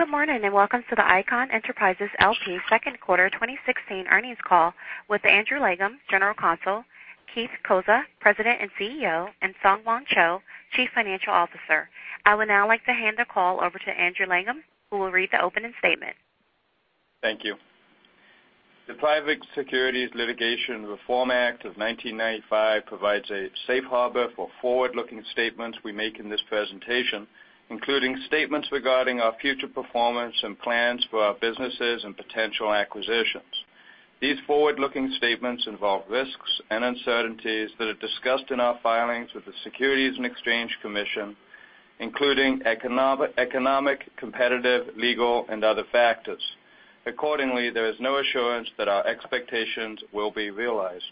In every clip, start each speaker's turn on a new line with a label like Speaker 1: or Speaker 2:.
Speaker 1: Good morning. Welcome to the Icahn Enterprises L.P. second quarter 2016 earnings call with Andrew Langham, General Counsel, Keith Cozza, President and CEO, and SungHwan Cho, Chief Financial Officer. I would now like to hand the call over to Andrew Langham, who will read the opening statement.
Speaker 2: Thank you. The Private Securities Litigation Reform Act of 1995 provides a safe harbor for forward-looking statements we make in this presentation, including statements regarding our future performance and plans for our businesses and potential acquisitions. These forward-looking statements involve risks and uncertainties that are discussed in our filings with the Securities and Exchange Commission, including economic, competitive, legal, and other factors. Accordingly, there is no assurance that our expectations will be realized.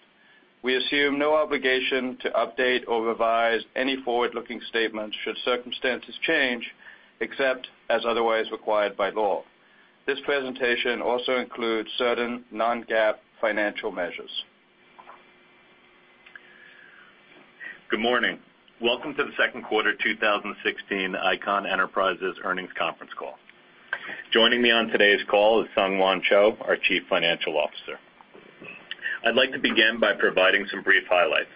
Speaker 2: We assume no obligation to update or revise any forward-looking statements should circumstances change, except as otherwise required by law. This presentation also includes certain non-GAAP financial measures.
Speaker 3: Good morning. Welcome to the second quarter 2016 Icahn Enterprises earnings conference call. Joining me on today's call is SungHwan Cho, our Chief Financial Officer. I'd like to begin by providing some brief highlights.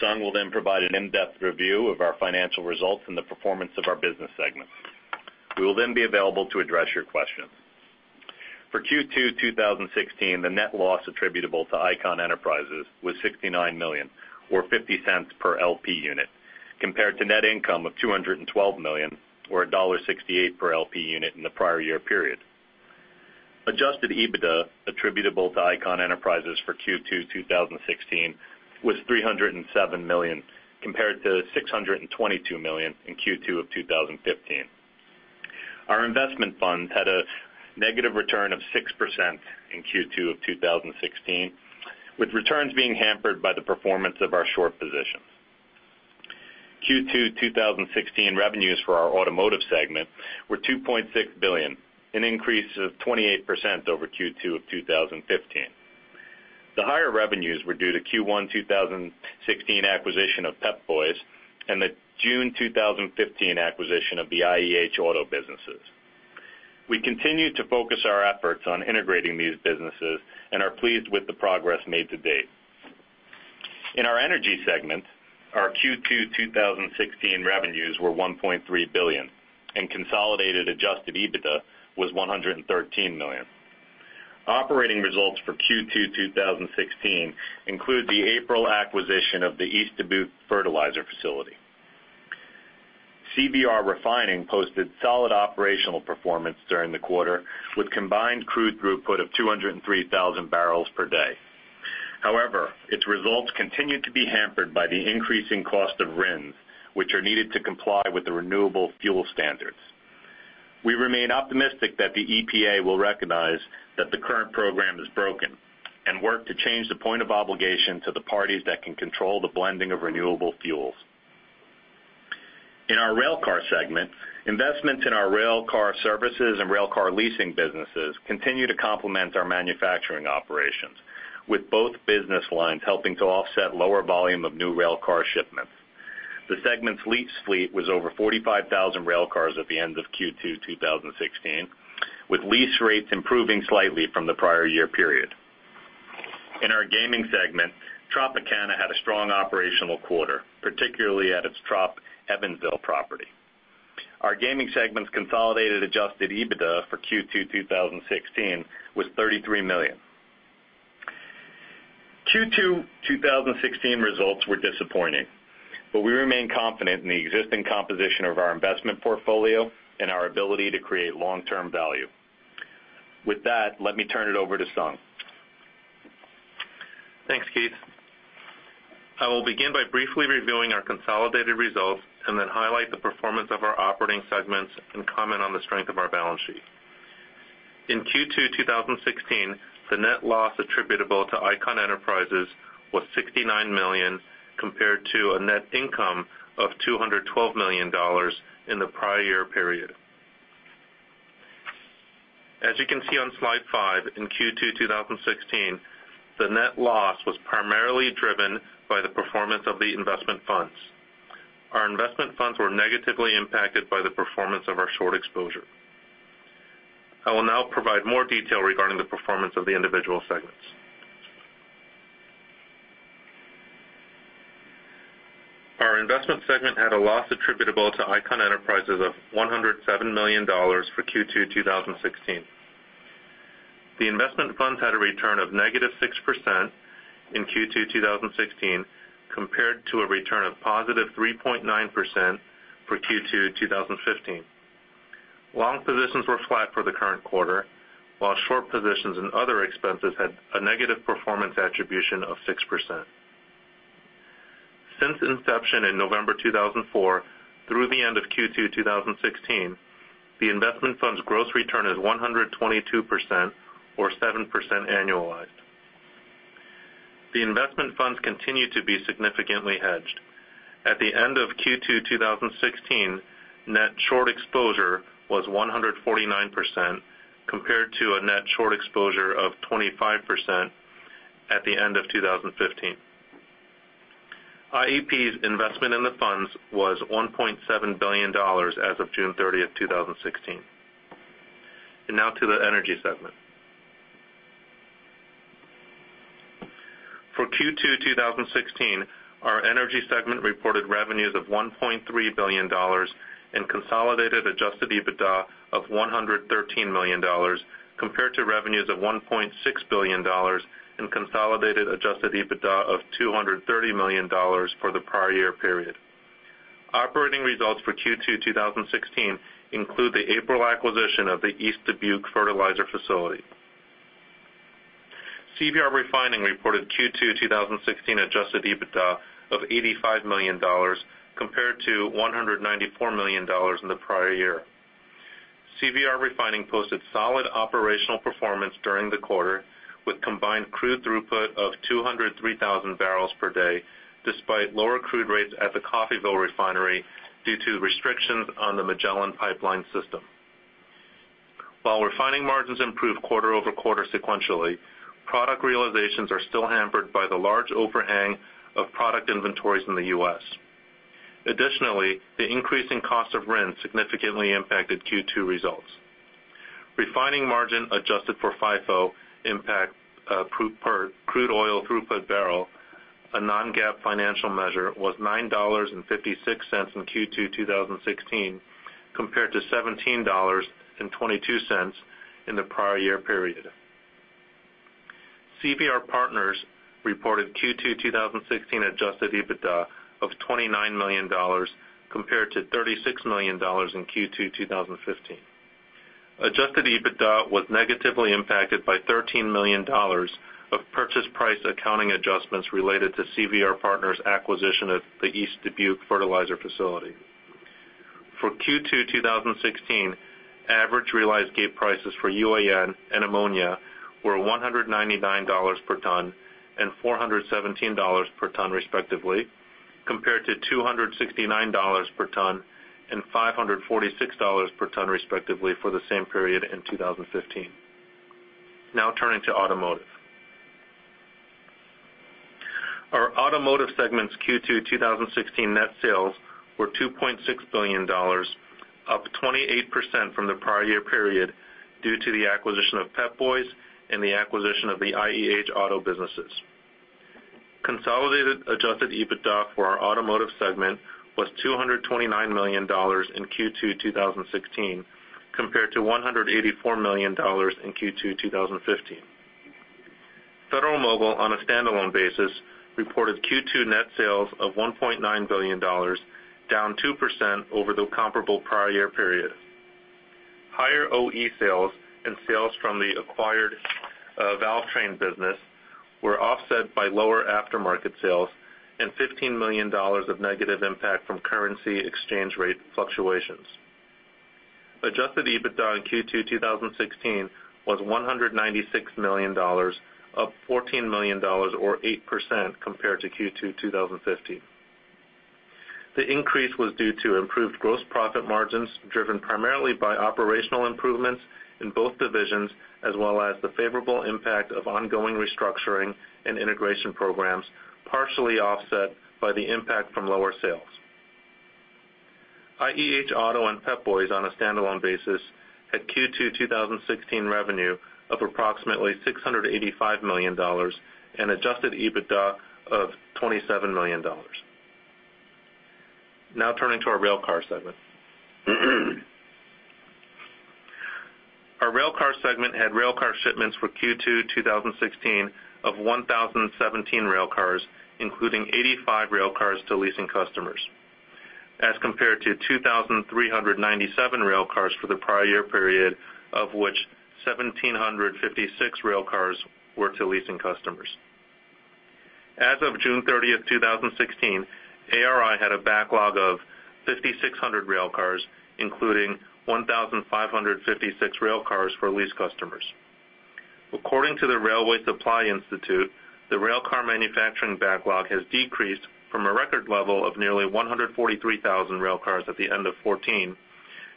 Speaker 3: Sung will then provide an in-depth review of our financial results and the performance of our business segments. We will then be available to address your questions. For Q2 2016, the net loss attributable to Icahn Enterprises was $69 million, or $0.50 per L.P. unit, compared to net income of $212 million, or $1.68 per L.P. unit in the prior year period. Adjusted EBITDA attributable to Icahn Enterprises for Q2 2016 was $307 million, compared to $622 million in Q2 of 2015. Our investment funds had a negative return of 6% in Q2 of 2016, with returns being hampered by the performance of our short position. Q2 2016 revenues for our automotive segment were $2.6 billion, an increase of 28% over Q2 of 2015. The higher revenues were due to Q1 2016 acquisition of Pep Boys and the June 2015 acquisition of the IEH Auto businesses. We continue to focus our efforts on integrating these businesses and are pleased with the progress made to date. In our energy segment, our Q2 2016 revenues were $1.3 billion, and consolidated adjusted EBITDA was $113 million. Operating results for Q2 2016 include the April acquisition of the East Dubuque fertilizer facility. CVR Refining posted solid operational performance during the quarter with combined crude throughput of 203,000 barrels per day. However, its results continued to be hampered by the increasing cost of RINs, which are needed to comply with the Renewable Fuel Standard. We remain optimistic that the EPA will recognize that the current program is broken, work to change the point of obligation to the parties that can control the blending of renewable fuels. In our railcar segment, investments in our railcar services and railcar leasing businesses continue to complement our manufacturing operations, with both business lines helping to offset lower volume of new railcar shipments. The segment's lease fleet was over 45,000 railcars at the end of Q2 2016, with lease rates improving slightly from the prior year period. In our gaming segment, Tropicana had a strong operational quarter, particularly at its Trop Evansville property. Our gaming segment's consolidated adjusted EBITDA for Q2 2016 was $33 million. Q2 2016 results were disappointing, we remain confident in the existing composition of our investment portfolio and our ability to create long-term value. With that, let me turn it over to Sung.
Speaker 4: Thanks, Keith. I will begin by briefly reviewing our consolidated results, then highlight the performance of our operating segments and comment on the strength of our balance sheet. In Q2 2016, the net loss attributable to Icahn Enterprises was $69 million, compared to a net income of $212 million in the prior year period. You can see on slide five, in Q2 2016, the net loss was primarily driven by the performance of the investment funds. Our investment funds were negatively impacted by the performance of our short exposure. I will now provide more detail regarding the performance of the individual segments. Our investment segment had a loss attributable to Icahn Enterprises of $107 million for Q2 2016. The investment funds had a return of negative 6% in Q2 2016, compared to a return of positive 3.9% for Q2 2015. Long positions were flat for the current quarter, while short positions and other expenses had a negative performance attribution of 6%. Since inception in November 2004 through the end of Q2 2016, the investment fund's gross return is 122%, or 7% annualized. The investment funds continue to be significantly hedged. At the end of Q2 2016, net short exposure was 149%, compared to a net short exposure of 25% at the end of 2015. IEP's investment in the funds was $1.7 billion as of June 30, 2016. Now to the energy segment. For Q2 2016, our energy segment reported revenues of $1.3 billion and consolidated adjusted EBITDA of $113 million compared to revenues of $1.6 billion and consolidated adjusted EBITDA of $230 million for the prior year period. Operating results for Q2 2016 include the April acquisition of the East Dubuque fertilizer facility. CVR Refining reported Q2 2016 adjusted EBITDA of $85 million compared to $194 million in the prior year. CVR Refining posted solid operational performance during the quarter with combined crude throughput of 203,000 barrels per day, despite lower crude rates at the Coffeyville refinery due to restrictions on the Magellan pipeline system. While refining margins improved quarter-over-quarter sequentially, product realizations are still hampered by the large overhang of product inventories in the U.S. The increase in cost of RINs significantly impacted Q2 results. Refining margin adjusted for FIFO impact crude oil throughput barrel, a non-GAAP financial measure, was $9.56 in Q2 2016 compared to $17.22 in the prior year period. CVR Partners reported Q2 2016 adjusted EBITDA of $29 million compared to $36 million in Q2 2015. Adjusted EBITDA was negatively impacted by $13 million of purchase price accounting adjustments related to CVR Partners' acquisition of the East Dubuque fertilizer facility. For Q2 2016, average realized gate prices for UAN and ammonia were $199 per ton and $417 per ton respectively, compared to $269 per ton and $546 per ton respectively for the same period in 2015. Now turning to Automotive. Our Automotive segment's Q2 2016 net sales were $2.6 billion, up 28% from the prior year period due to the acquisition of Pep Boys and the acquisition of the IEH Auto businesses. Consolidated Adjusted EBITDA for our Automotive segment was $229 million in Q2 2016 compared to $184 million in Q2 2015. Federal-Mogul, on a standalone basis, reported Q2 net sales of $1.9 billion, down 2% over the comparable prior year period. Higher OE sales and sales from the acquired Valvetrain business were offset by lower aftermarket sales and $15 million of negative impact from currency exchange rate fluctuations. Adjusted EBITDA in Q2 2016 was $196 million, up $14 million or 8% compared to Q2 2015. The increase was due to improved gross profit margins, driven primarily by operational improvements in both divisions, as well as the favorable impact of ongoing restructuring and integration programs, partially offset by the impact from lower sales. IEH Auto and Pep Boys, on a standalone basis, had Q2 2016 revenue of approximately $685 million and Adjusted EBITDA of $27 million. Now turning to our Railcar segment. Our Railcar segment had railcar shipments for Q2 2016 of 1,017 railcars, including 85 railcars to leasing customers, as compared to 2,397 railcars for the prior year period, of which 1,756 railcars were to leasing customers. As of June 30th, 2016, ARI had a backlog of 5,600 railcars, including 1,556 railcars for lease customers. According to the Railway Supply Institute, the railcar manufacturing backlog has decreased from a record level of nearly 143,000 railcars at the end of 2014,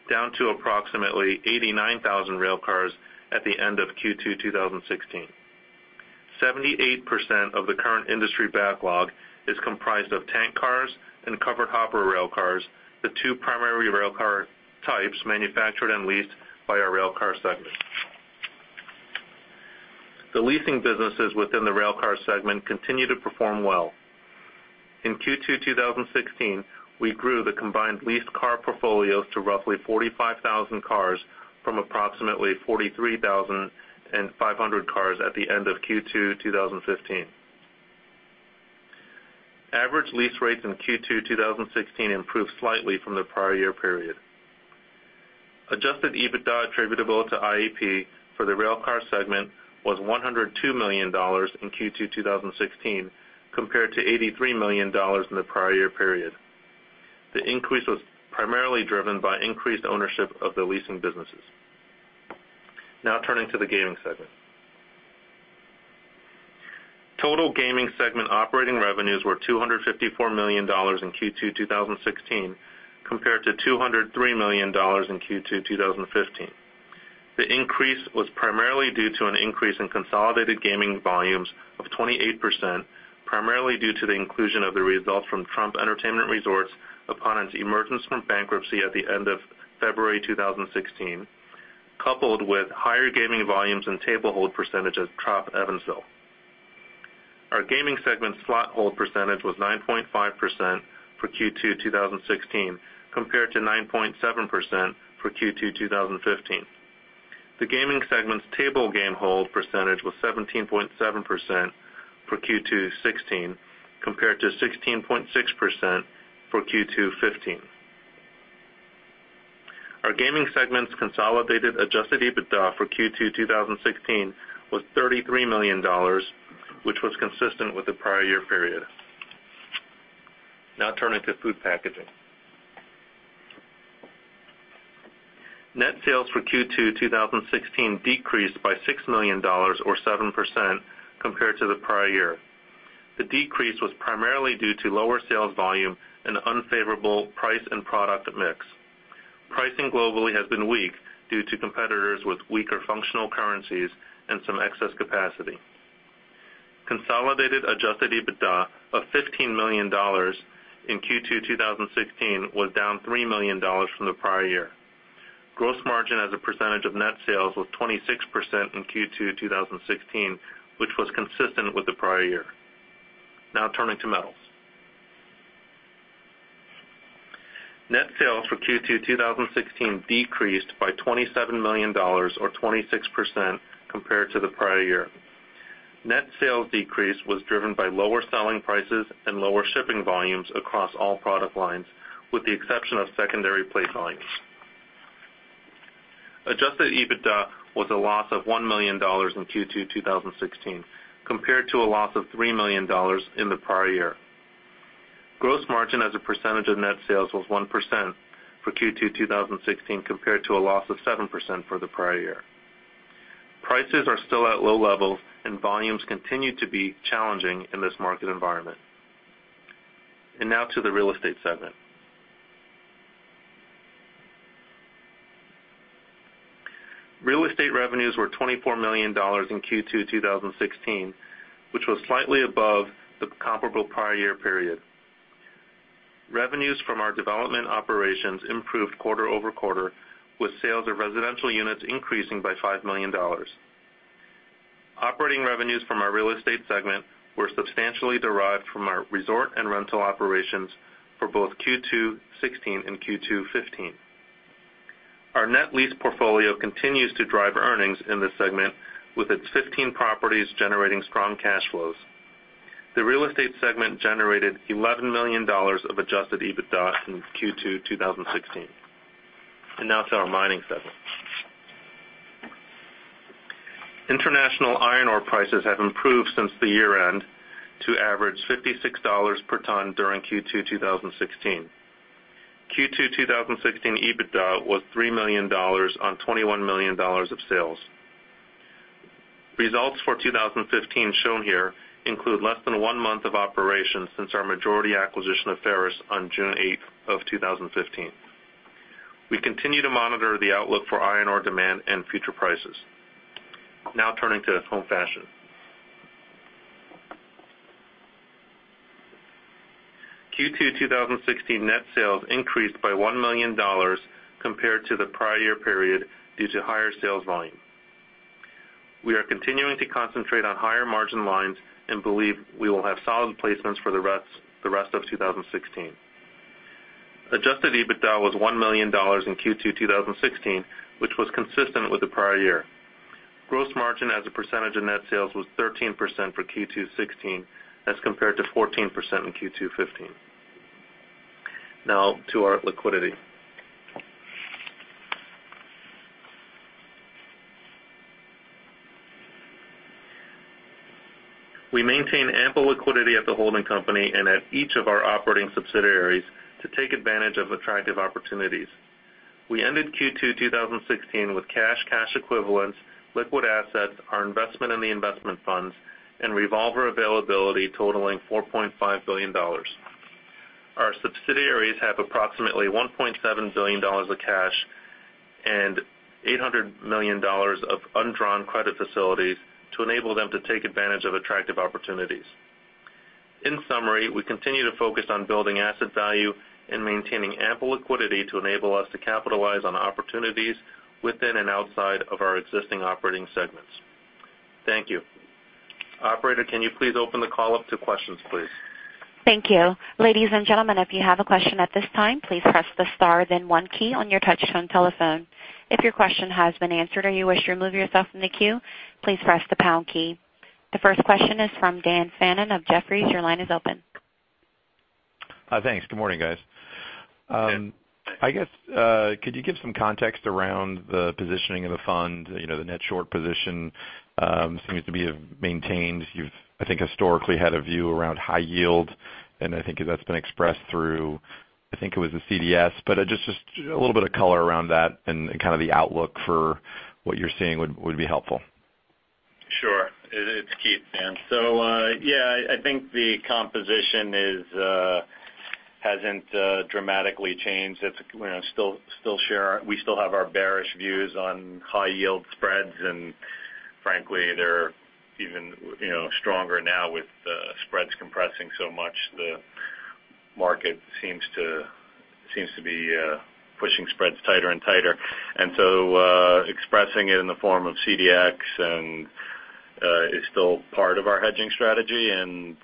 Speaker 4: down to approximately 89,000 railcars at the end of Q2 2016. 78% of the current industry backlog is comprised of tank cars and covered hopper railcars, the two primary railcar types manufactured and leased by our Railcar segment. The leasing businesses within the Railcar segment continue to perform well. In Q2 2016, we grew the combined leased car portfolios to roughly 45,000 cars from approximately 43,500 cars at the end of Q2 2015. Average lease rates in Q2 2016 improved slightly from the prior year period. Adjusted EBITDA attributable to IEP for the Railcar segment was $102 million in Q2 2016 compared to $83 million in the prior year period. The increase was primarily driven by increased ownership of the leasing businesses. Now turning to the Gaming segment. Total Gaming segment operating revenues were $254 million in Q2 2016 compared to $203 million in Q2 2015. The increase was primarily due to an increase in consolidated gaming volumes of 28%, primarily due to the inclusion of the results from Trump Entertainment Resorts upon its emergence from bankruptcy at the end of February 2016, coupled with higher gaming volumes and table hold percentage at Trop Evansville. Our Gaming segment slot hold percentage was 9.5% for Q2 2016, compared to 9.7% for Q2 2015. The Gaming segment's table game hold percentage was 17.7% for Q2 2016, compared to 16.6% for Q2 2015. Our gaming segment's consolidated adjusted EBITDA for Q2 2016 was $33 million, which was consistent with the prior year period. Turning to food packaging. Net sales for Q2 2016 decreased by $6 million, or 7%, compared to the prior year. The decrease was primarily due to lower sales volume and unfavorable price and product mix. Pricing globally has been weak due to competitors with weaker functional currencies and some excess capacity. Consolidated adjusted EBITDA of $15 million in Q2 2016 was down $3 million from the prior year. Gross margin as a percentage of net sales was 26% in Q2 2016, which was consistent with the prior year. Turning to metals. Net sales for Q2 2016 decreased by $27 million, or 26%, compared to the prior year. Net sales decrease was driven by lower selling prices and lower shipping volumes across all product lines, with the exception of secondary plate lines. Adjusted EBITDA was a loss of $1 million in Q2 2016, compared to a loss of $3 million in the prior year. Gross margin as a percentage of net sales was 1% for Q2 2016, compared to a loss of 7% for the prior year. Prices are still at low levels, volumes continue to be challenging in this market environment. To the real estate segment. Real estate revenues were $24 million in Q2 2016, which was slightly above the comparable prior year period. Revenues from our development operations improved quarter-over-quarter, with sales of residential units increasing by $5 million. Operating revenues from our real estate segment were substantially derived from our resort and rental operations for both Q2 2016 and Q2 2015. Our net lease portfolio continues to drive earnings in this segment, with its 15 properties generating strong cash flows. The real estate segment generated $11 million of adjusted EBITDA in Q2 2016. To our mining segment. International iron ore prices have improved since the year-end to average $56 per ton during Q2 2016. Q2 2016 EBITDA was $3 million on $21 million of sales. Results for 2015 shown here include less than one month of operation since our majority acquisition of Ferrous on June 8, 2015. We continue to monitor the outlook for iron ore demand and future prices. Turning to home fashion. Q2 2016 net sales increased by $1 million compared to the prior year period due to higher sales volume. We are continuing to concentrate on higher margin lines and believe we will have solid placements for the rest of 2016. Adjusted EBITDA was $1 million in Q2 2016, which was consistent with the prior year. Gross margin as a percentage of net sales was 13% for Q2 2016, as compared to 14% in Q2 2015. To our liquidity. We maintain ample liquidity at the holding company and at each of our operating subsidiaries to take advantage of attractive opportunities. We ended Q2 2016 with cash equivalents, liquid assets, our investment in the investment funds, and revolver availability totaling $4.5 billion. Our subsidiaries have approximately $1.7 billion of cash and $800 million of undrawn credit facilities to enable them to take advantage of attractive opportunities. In summary, we continue to focus on building asset value and maintaining ample liquidity to enable us to capitalize on opportunities within and outside of our existing operating segments. Thank you. Operator, can you please open the call up to questions, please?
Speaker 1: Thank you. Ladies and gentlemen, if you have a question at this time, please press the star then one key on your touchtone telephone. If your question has been answered or you wish to remove yourself from the queue, please press the pound key. The first question is from Dan Fannon of Jefferies. Your line is open.
Speaker 5: Thanks. Good morning, guys.
Speaker 3: Dan.
Speaker 5: I guess, could you give some context around the positioning of the fund? The net short position seems to be maintained. You've, I think, historically had a view around high yield, and I think that's been expressed through, I think it was the CDS. Just a little bit of color around that and kind of the outlook for what you're seeing would be helpful.
Speaker 3: Sure. It's Keith, Dan. Yeah, I think the composition hasn't dramatically changed. We still have our bearish views on high yield spreads, and frankly, they're even stronger now with the spreads compressing so much. The market seems to be pushing spreads tighter and tighter. Expressing it in the form of CDX is still part of our hedging strategy, and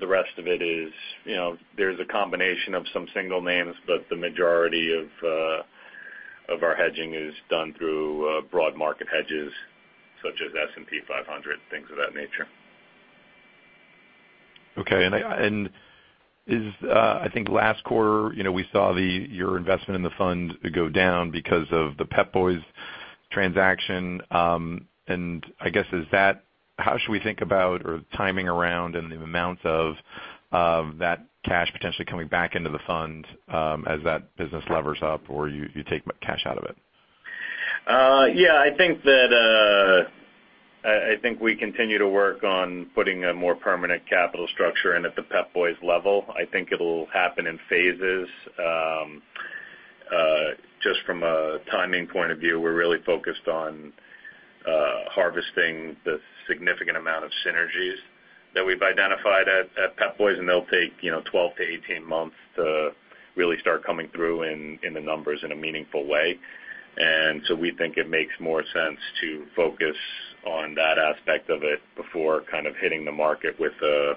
Speaker 3: the rest of it is a combination of some single names, but the majority of our hedging is done through broad market hedges such as S&P 500, things of that nature.
Speaker 5: Okay. I think last quarter, we saw your investment in the fund go down because of the Pep Boys transaction. I guess, how should we think about or timing around and the amounts of that cash potentially coming back into the fund as that business levers up or you take cash out of it?
Speaker 3: Yeah, I think we continue to work on putting a more permanent capital structure in at the Pep Boys level. I think it'll happen in phases. Just from a timing point of view, we're really focused on harvesting the significant amount of synergies that we've identified at Pep Boys, and they'll take 12 to 18 months to really start coming through in the numbers in a meaningful way. We think it makes more sense to focus on that aspect of it before kind of hitting the market with a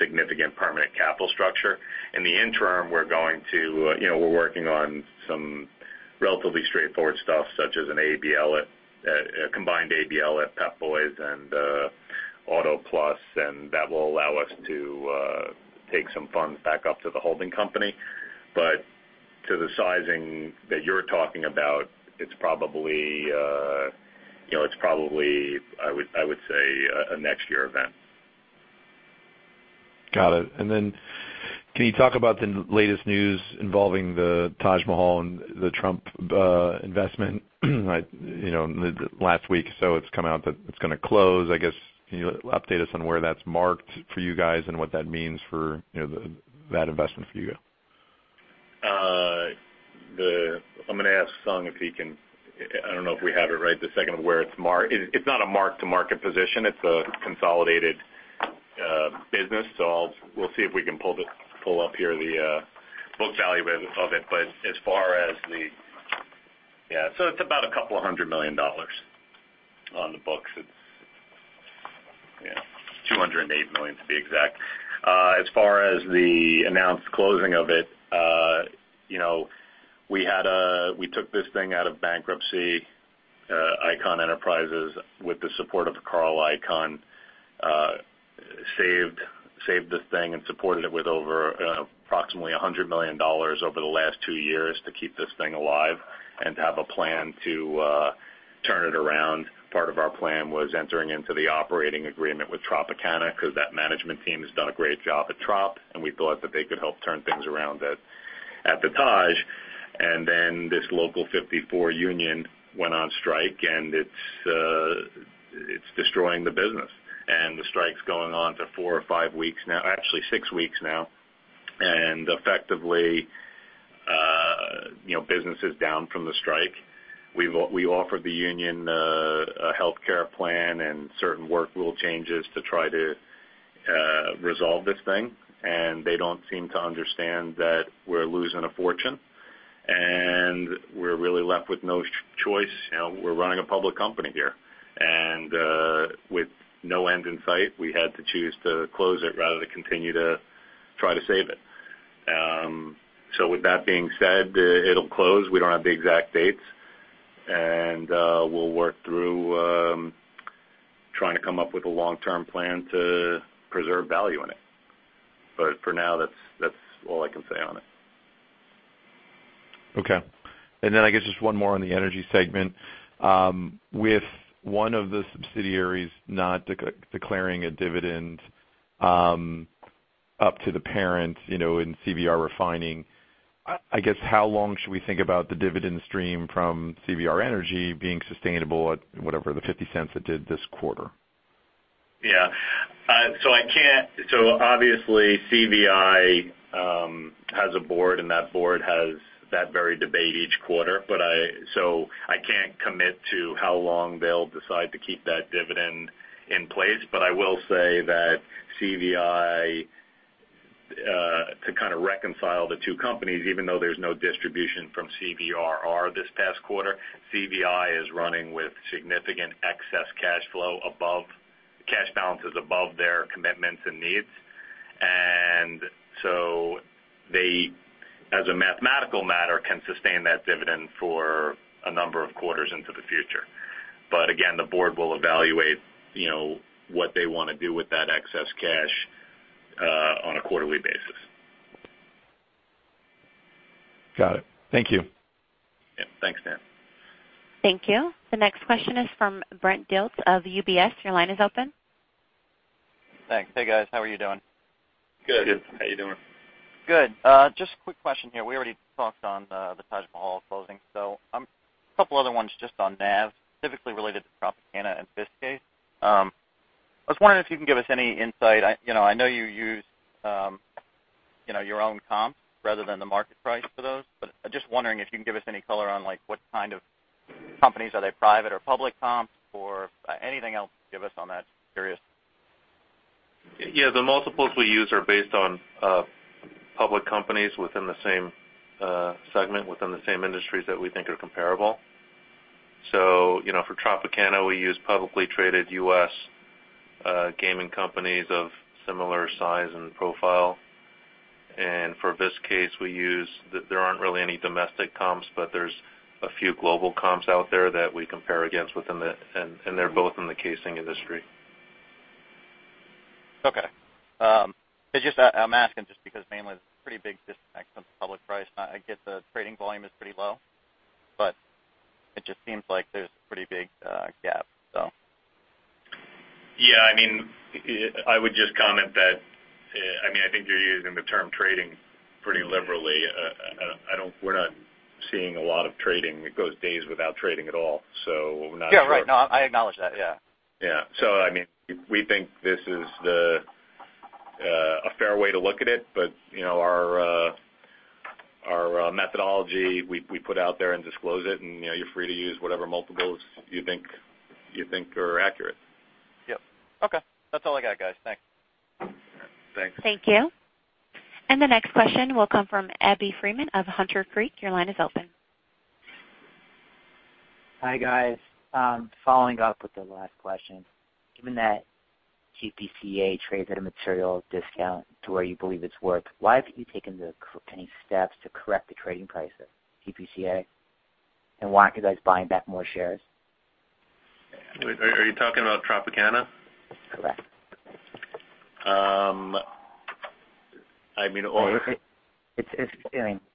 Speaker 3: significant permanent capital structure. In the interim, we're working on some relatively straightforward stuff such as a combined ABL at Pep Boys and Auto Plus, and that will allow us to take some funds back up to the holding company. To the sizing that you're talking about, it's probably, I would say, a next year event.
Speaker 5: Got it. Can you talk about the latest news involving the Taj Mahal and the Trump investment? In the last week or so it's come out that it's going to close. I guess, can you update us on where that's marked for you guys and what that means for that investment for you?
Speaker 3: I'm going to ask Sung if he can I don't know if we have it right this second of where it's marked. It's not a mark-to-market position. It's a consolidated business. We'll see if we can pull up here the book value of it. As far as the Yeah. It's about a couple of hundred million dollars on the books. Yeah, $208 million to be exact. As far as the announced closing of it, we took this thing out of bankruptcy, Icahn Enterprises, with the support of Carl Icahn, saved this thing and supported it with over approximately $100 million over the last two years to keep this thing alive and to have a plan to turn it around. Part of our plan was entering into the operating agreement with Tropicana because that management team has done a great job at Trop, and we thought that they could help turn things around at the Taj. This Local 54 union went on strike, and it's destroying the business. The strike's going on to four or five weeks now. Actually six weeks now. Effectively, business is down from the strike. We offered the union a healthcare plan and certain work rule changes to try to resolve this thing, and they don't seem to understand that we're losing a fortune. We're really left with no choice. We're running a public company here, and with no end in sight, we had to choose to close it rather than continue to try to save it. With that being said, it'll close. We don't have the exact dates, and we'll work through trying to come up with a long-term plan to preserve value in it. For now, that's all I can say on it.
Speaker 5: Okay. I guess just one more on the energy segment. With one of the subsidiaries not declaring a dividend up to the parent in CVR Refining, I guess, how long should we think about the dividend stream from CVR Energy being sustainable at whatever the $0.50 it did this quarter?
Speaker 3: Obviously CVI has a board, and that board has that very debate each quarter. I can't commit to how long they'll decide to keep that dividend in place. I will say that CVI, to kind of reconcile the two companies, even though there's no distribution from CVRR this past quarter, CVI is running with significant excess cash balances above their commitments and needs. They, as a mathematical matter, can sustain that dividend for a number of quarters into the future. But again, the board will evaluate what they want to do with that excess cash on a quarterly basis.
Speaker 5: Got it. Thank you.
Speaker 3: Thanks, Dan.
Speaker 1: Thank you. The next question is from Brent Dilts of UBS. Your line is open.
Speaker 6: Thanks. Hey, guys, how are you doing?
Speaker 3: Good. How you doing?
Speaker 6: Good. Just a quick question here. We already talked on the Taj Mahal closing, so a couple other ones just on NAV, specifically related to Tropicana and Viskase. I was wondering if you can give us any insight. I know you use your own comps rather than the market price for those, but just wondering if you can give us any color on what kind of companies, are they private or public comps, or anything else to give us on that. Curious.
Speaker 3: Yeah. The multiples we use are based on public companies within the same segment, within the same industries that we think are comparable. For Tropicana, we use publicly traded U.S. gaming companies of similar size and profile. For Viskase, there aren't really any domestic comps, but there's a few global comps out there that we compare against, and they're both in the casing industry.
Speaker 6: Okay. I'm asking just because mainly there's a pretty big disconnect from public price. I get the trading volume is pretty low, but it just seems like there's a pretty big gap.
Speaker 3: Yeah. I would just comment that, I think you're using the term trading pretty liberally. We're not seeing a lot of trading. It goes days without trading at all. We're not sure.
Speaker 6: Yeah. Right. No, I acknowledge that. Yeah.
Speaker 3: Yeah. We think this is a fair way to look at it, but our methodology, we put out there and disclose it, and you're free to use whatever multiples you think are accurate.
Speaker 6: Yep. Okay. That's all I got, guys. Thanks.
Speaker 3: Yeah. Thanks.
Speaker 1: Thank you. The next question will come from Abby Freeman of Hunter Creek. Your line is open.
Speaker 7: Hi, guys. Following up with the last question. Given that TPCA trades at a material discount to where you believe it's worth, why haven't you taken any steps to correct the trading price of TPCA? Why aren't you guys buying back more shares?
Speaker 3: Are you talking about Tropicana?
Speaker 7: Correct.
Speaker 3: I mean.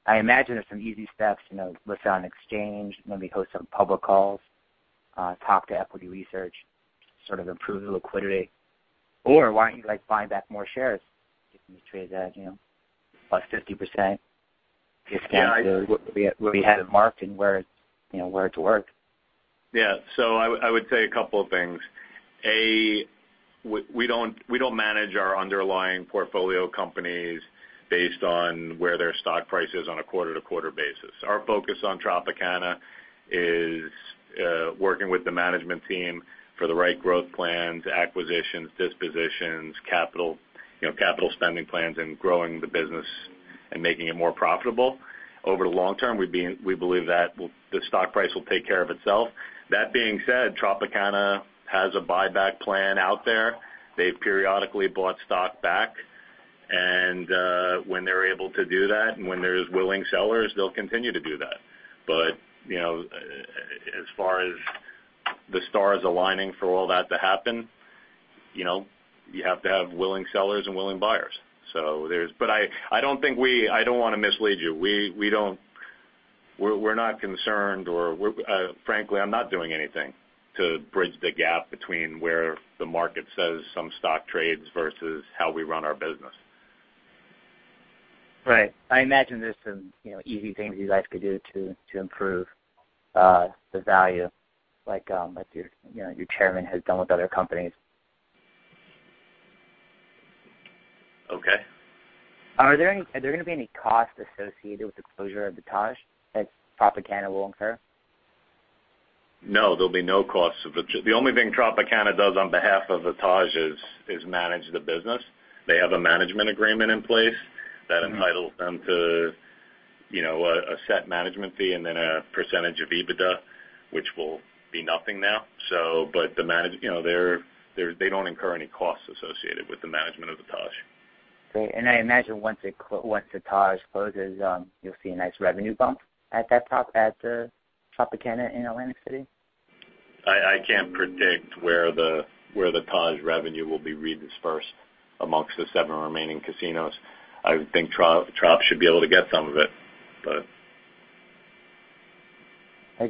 Speaker 7: I imagine there are some easy steps, list it on exchange, maybe host some public calls, talk to equity research, sort of improve the liquidity. Why don't you buy back more shares if it's traded at +50% discount to where you had it marked and where it's worth?
Speaker 3: Yeah. I would say a couple of things. A, we don't manage our underlying portfolio companies based on where their stock price is on a quarter-to-quarter basis. Our focus on Tropicana is working with the management team for the right growth plans, acquisitions, dispositions, capital spending plans, and growing the business and making it more profitable. Over the long term, we believe that the stock price will take care of itself. That being said, Tropicana has a buyback plan out there. They've periodically bought stock back, and when they're able to do that, and when there's willing sellers, they'll continue to do that. As far as the stars aligning for all that to happen, you have to have willing sellers and willing buyers. I don't want to mislead you. We're not concerned or, frankly, I'm not doing anything to bridge the gap between where the market says some stock trades versus how we run our business.
Speaker 7: Right. I imagine there's some easy things you guys could do to improve the value, like what your Chairman has done with other companies.
Speaker 3: Okay.
Speaker 7: Are there going to be any costs associated with the closure of the Taj that Tropicana will incur?
Speaker 3: No, there'll be no costs. The only thing Tropicana does on behalf of the Taj is manage the business. They have a management agreement in place that entitles them to a set management fee and then a percentage of EBITDA, which will be nothing now. They don't incur any costs associated with the management of the Taj.
Speaker 7: Great. I imagine once the Taj closes, you'll see a nice revenue bump at Tropicana in Atlantic City?
Speaker 3: I can't predict where the Taj revenue will be redispersed amongst the seven remaining casinos. I would think Trop should be able to get some of it.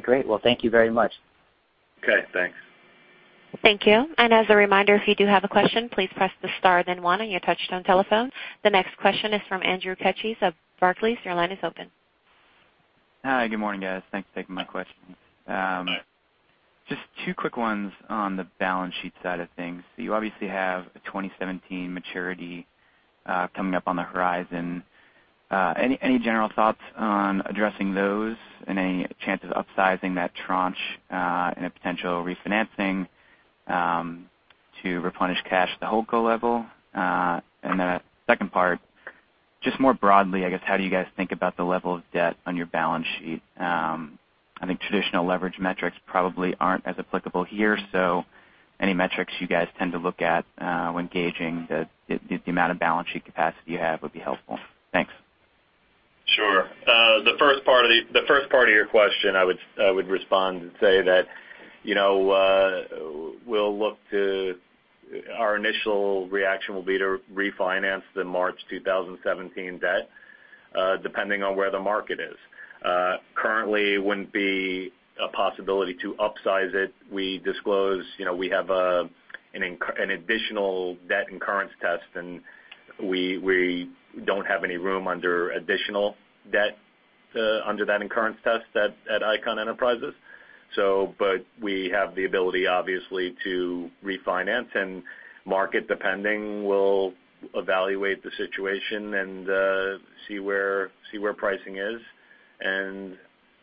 Speaker 7: Great. Well, thank you very much.
Speaker 3: Okay, thanks.
Speaker 1: Thank you. As a reminder, if you do have a question, please press the star then one on your touchtone telephone. The next question is from Andrew Keches of Barclays. Your line is open.
Speaker 8: Hi, good morning, guys. Thanks for taking my questions.
Speaker 3: Sure.
Speaker 8: Just two quick ones on the balance sheet side of things. You obviously have a 2017 maturity coming up on the horizon. Any general thoughts on addressing those and any chance of upsizing that tranche in a potential refinancing to replenish cash to holdco level? A second part, just more broadly, I guess, how do you guys think about the level of debt on your balance sheet? I think traditional leverage metrics probably aren't as applicable here, so any metrics you guys tend to look at when gauging the amount of balance sheet capacity you have would be helpful. Thanks.
Speaker 3: Sure. The first part of your question, I would respond and say that our initial reaction will be to refinance the March 2017 debt, depending on where the market is. Currently, it wouldn't be a possibility to upsize it. We disclose we have an additional debt incurrence test, and we don't have any room under additional debt under that incurrence test at Icahn Enterprises. We have the ability, obviously, to refinance and market depending, we'll evaluate the situation and see where pricing is.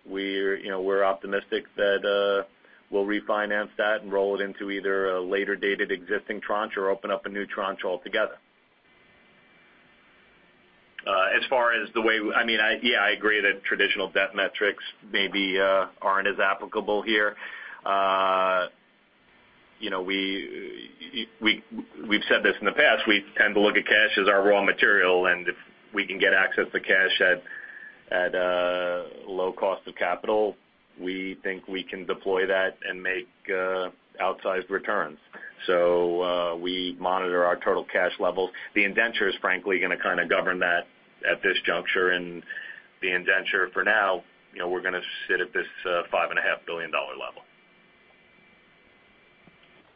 Speaker 3: We're optimistic that we'll refinance that and roll it into either a later dated existing tranche or open up a new tranche altogether. I agree that traditional debt metrics maybe aren't as applicable here. We've said this in the past. We tend to look at cash as our raw material, if we can get access to cash at a low cost of capital, we think we can deploy that and make outsized returns. We monitor our total cash levels. The indenture is frankly going to govern that at this juncture. The indenture for now, we're going to sit at this $5.5 billion level.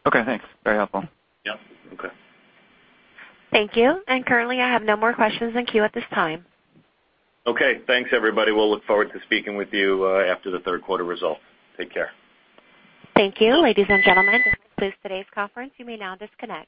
Speaker 8: Okay, thanks. Very helpful.
Speaker 3: Yep. Okay.
Speaker 1: Thank you. Currently, I have no more questions in queue at this time.
Speaker 3: Okay. Thanks, everybody. We'll look forward to speaking with you after the third quarter results. Take care.
Speaker 1: Thank you. Ladies and gentlemen, this concludes today's conference. You may now disconnect.